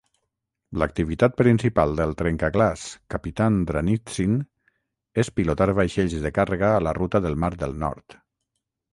L'activitat principal del trencaglaç "Kapitan Dranitsin" és pilotar vaixells de càrrega a la ruta del mar del Nord.